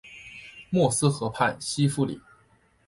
默斯河畔西夫里。